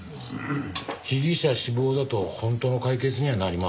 被疑者死亡だと本当の解決にはなりませんもんね。